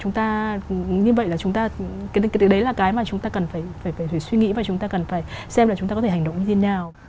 chúng ta như vậy là cái đấy là cái mà chúng ta cần phải suy nghĩ và chúng ta cần phải xem là chúng ta có thể hành động như thế nào